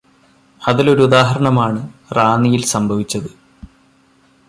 അതിലൊരു ഉദാഹരണമാണ് റാന്നിയിൽ സംഭവിച്ചത്.